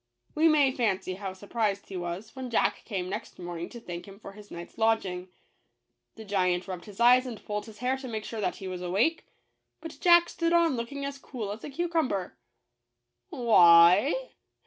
We may fancy how surprised he was when Jack came next morning to thank him for his night's lodging. The giant rubbed his eyes and pulled his hair to make sure that he was awake; but Jack stood looking on as cool as a cucumber. "Why?